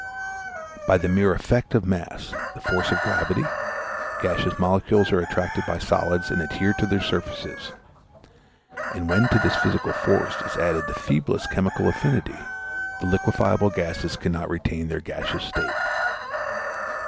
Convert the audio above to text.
By the mere effect of mass, the force of gravity, gaseous molecules are attracted by solids and adhere to their surfaces; and when to this physical force is added the feeblest chemical affinity, the liquifiable gases cannot retain their gaseous state.